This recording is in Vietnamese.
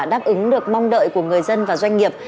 đáp ứng được mong đợi của người dân và doanh nghiệp